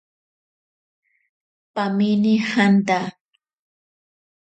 Pamene janta.